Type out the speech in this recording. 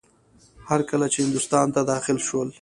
هر کله چې هندوستان ته داخل شول.